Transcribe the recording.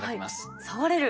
触れる？